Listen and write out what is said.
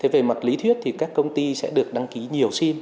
về mặt lý thuyết thì các công ty sẽ được đăng ký nhiều sim